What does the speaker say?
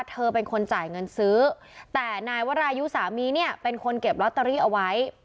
เธอเป็นคนจ่ายเงินซื้อแต่นายวรายุสามีเนี่ยเป็นคนเก็บลอตเตอรี่เอาไว้